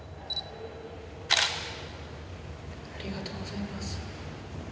ありがとうございます。